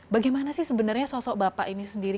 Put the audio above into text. bagaimana sih sebenarnya sosok bapak ini sendiri